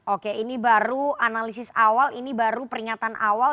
oke ini baru analisis awal ini baru peringatan awal